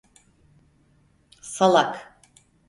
Salak.